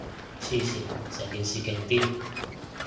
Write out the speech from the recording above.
黐線，成件事勁癲